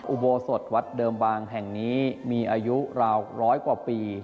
อุโบสถวัดเดิมบางแห่งนี้มีอายุราวร้อยกว่าปี